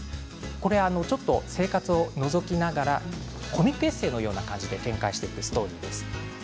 ちょっと生活をのぞきながらコミックエッセーのような感じで展開していくストーリーです。